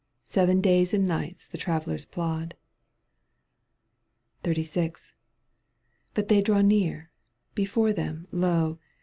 Seven days and nights the travellers plod. XXXIV. •/ t But they draw near. Before them, lo